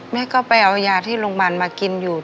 แม่ก็ไปเอายาที่โรงพยาบาลมากินอยู่